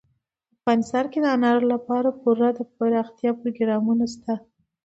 افغانستان کې د انارو لپاره پوره دپرمختیا پروګرامونه شته دي.